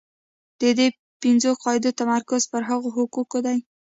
د دې پنځو قاعدو تمرکز پر هغو حقوقو دی.